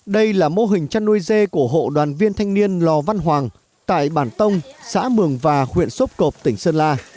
đây là mô hình chăn nuôi dê của hộ đoàn viên thanh niên lò văn hoàng tại bản tông xã mường và huyện sốp cộp tỉnh sơn la